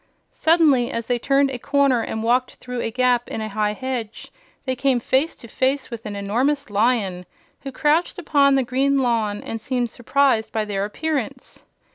Suddenly, as they turned a corner and walked through a gap in a high hedge, they came face to face with an enormous Lion, which crouched upon the green lawn and seemed surprised by their appearance.